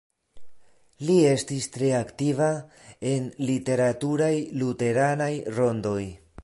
Li estis tre aktiva en literaturaj luteranaj rondoj.